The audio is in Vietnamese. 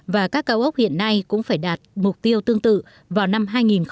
và các cao ốc hiện nay cũng phải đạt mục tiêu tương tự vào năm hai nghìn hai mươi